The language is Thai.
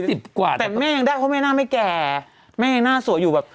สิบกว่าแต่แม่ยังได้เพราะแม่หน้าไม่แก่แม่ยังหน้าสวยอยู่แบบ